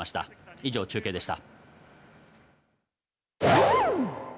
以上、中継でした。